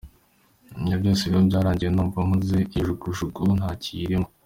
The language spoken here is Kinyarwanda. Ibyo byose rero byarangiye numva nkuze, iyo jugujugu ntakiriyirimo.